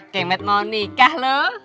kemet mau nikah loh